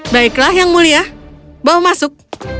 baiklah yang mulia bawa masuk